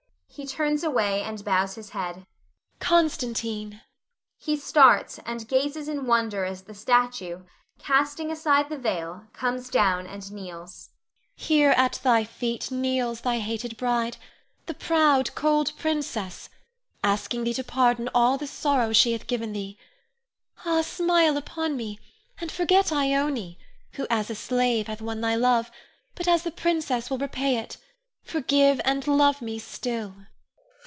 [He turns away and bows his head.] Ione. Constantine! [He starts, and gazes in wonder as the statue, casting aside the veil, comes down and kneels.] Here at thy feet kneels thy hated bride, the "proud, cold princess," asking thee to pardon all the sorrow she hath given thee. Ah, smile upon me, and forget Ione, who as a slave hath won thy love, but as the princess will repay it, forgive, and love me still!